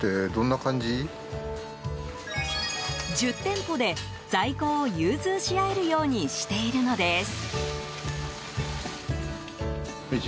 １０店舗で在庫を融通し合えるようにしているのです。